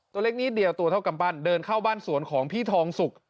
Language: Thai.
ตัวเล็กนิดเดียวตัวเท่ากำปั้นเดินเข้าบ้านสวนของพี่ทองสุก